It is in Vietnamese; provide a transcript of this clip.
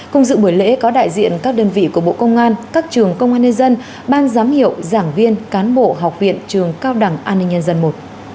cùng dự buổi lễ có đại diện các đơn vị của bộ công an các trường công an nhân dân ban giám hiệu giảng viên cán bộ học viện trường cao đẳng an ninh nhân dân i